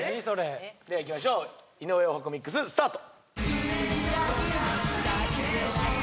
ではいきましょう井上十八番ミックススタート！